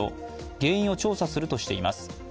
原因を調査するとしています。